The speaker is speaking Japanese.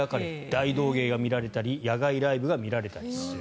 大道芸が見られたり野外ライブが見られたりと。